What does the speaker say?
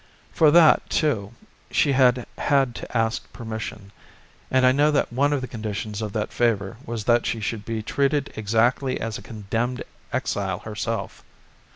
For that, too, she had had to ask permission, and I know that one of the conditions of that favour was that she should be treated exactly as a condemned exile herself.